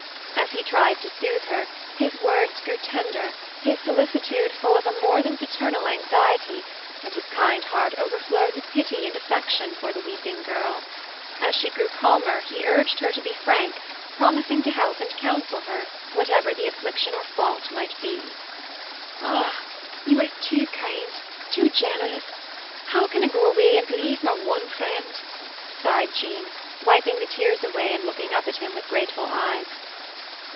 As he tried to soothe her, his words grew tender, his solicitude full of a more than paternal anxiety, and his kind heart overflowed with pity and affection for the weeping girl. As she grew calmer, he urged her to be frank, promising to help and counsel her, whatever the affliction or fault might be. "Ah, you are too kind, too generous! How can I go away and leave my one friend?" sighed Jean, wiping the tears away and looking up at him with grateful eyes.